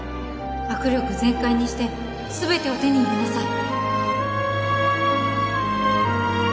握力全開にして全てを手に入れなさい